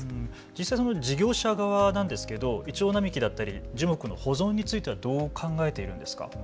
実際、事業者側なんですけれどもイチョウ並木だったり樹木の保存についてはどう考えているんですか。